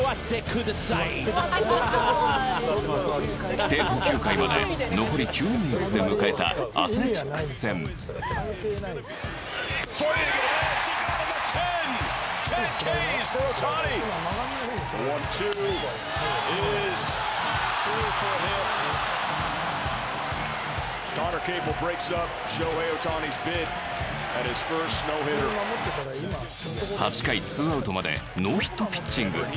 規定投球回まで残り９イニングスで迎えたアスレチックス戦。８回ツーアウトまでノーヒットピッチング。